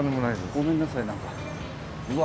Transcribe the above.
ごめんなさい何か。